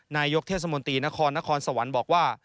นายกเทศมนตรีนครนครสวรรค์บอกว่า